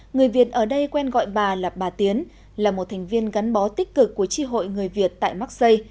người việt ở đây quen gọi bà là bà tiến là một thành viên gắn bó tích cực của tri hội người việt tại mắc xây